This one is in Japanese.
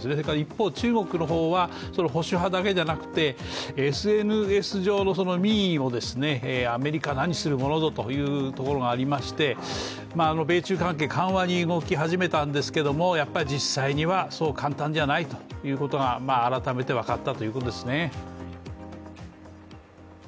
それから一方中国の方は保守派だけじゃなくてＳＮＳ上の民意をアメリカ何するものぞというところがありまして米中関係緩和に動き始めたんですけど、実際にはそう簡単じゃないということが改めて分かったということですね。